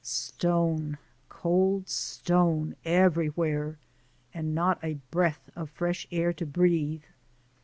Stone, cold stone everywhere, and not a breath of fresh air to breathe.